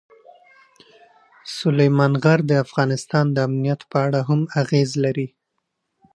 سلیمان غر د افغانستان د امنیت په اړه هم اغېز لري.